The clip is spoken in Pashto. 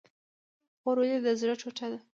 خور ولې د زړه ټوټه ده؟